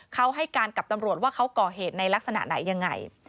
เขาให้การกับตำรวจว่าเขาก่อเหตุในลักษณะไหนยังไง